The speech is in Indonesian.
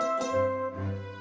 aku sudah datang ke ph